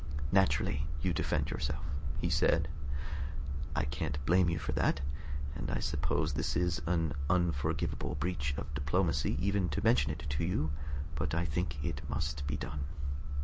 "Naturally you defend yourself," he said. "I can't blame you for that, and I suppose this is an unforgivable breach of diplomacy even to mention it to you, but I think it must be done.